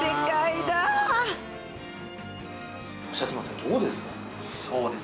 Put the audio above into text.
おっしゃってますがどうです？